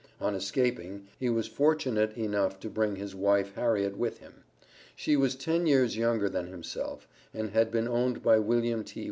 On escaping, he was fortunate enough to bring his wife, Harriet with him. She was ten years younger than himself, and had been owned by William T.